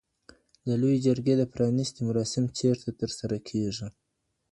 د لویې جرګي د پرانیستې مراسم چېرته ترسره کیږي؟